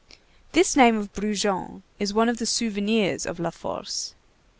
This name of Brujon is one of the souvenirs of La Force.